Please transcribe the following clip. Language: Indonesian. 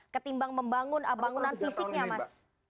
ketimbang membangun bangunan fisiknya mas